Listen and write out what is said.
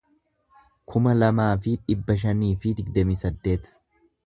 kuma lamaa fi dhibba shanii fi digdamii saddeet